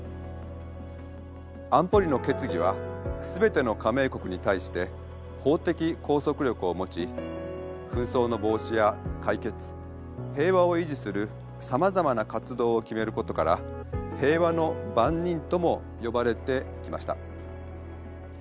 安保理の決議は全ての加盟国に対して法的拘束力を持ち紛争の防止や解決平和を維持するさまざまな活動を決めることから「平和の番人」とも呼ばれてきました。